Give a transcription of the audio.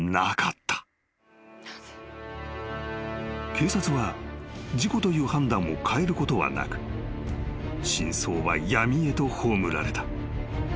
［警察は事故という判断を変えることはなく真相は闇へと葬られた］